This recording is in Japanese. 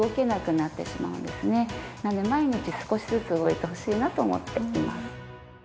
なので毎日少しずつ動いてほしいなと思っています。